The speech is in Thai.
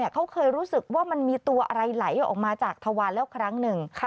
เขาเคยรู้สึกว่ามันมีตัวอะไรไหลออกมาจากทวารแล้วครั้งหนึ่ง